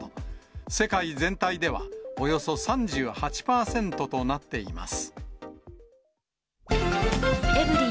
世界全体ではおよそ３８％となっています。